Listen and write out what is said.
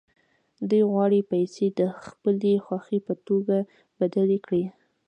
دوی غواړي پیسې د خپلې خوښې په توکو بدلې کړي